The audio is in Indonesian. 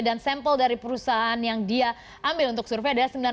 dan sampel dari perusahaan yang dia ambil untuk survei adalah